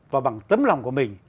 và bằng tấm lòng của mình